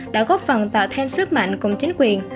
đã góp phần tạo thêm sức mạnh cùng chính quyền